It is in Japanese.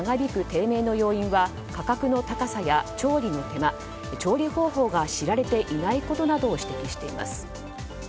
低迷の要因は価格の高さや調理の手間調理方法が知られていないことなどを指摘しています。